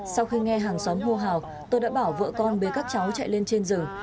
sau khi nghe hàng xóm hô hào tôi đã bảo vợ con bế các cháu chạy lên trên rừng